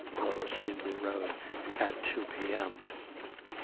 Lower Seedley Road at 2 p.m.